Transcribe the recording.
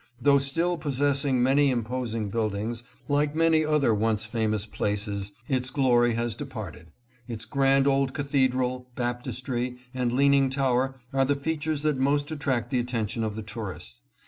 Though still possessing many imposing buildings, like many other once famous places its glory has departed. Its grand old cathe dral, baptistery, and leaning tower are the features that most attract the attention of the tourist.